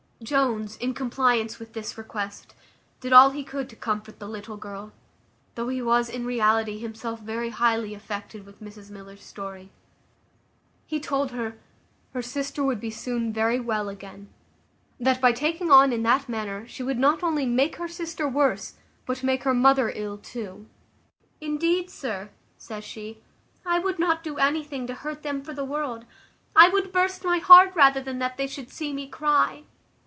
Jones, in compliance with this request, did all he could to comfort the little girl, though he was, in reality, himself very highly affected with Mrs Miller's story. He told her "Her sister would be soon very well again; that by taking on in that manner she would not only make her sister worse, but make her mother ill too." "Indeed, sir," says she, "I would not do anything to hurt them for the world. I would burst my heart rather than they should see me cry.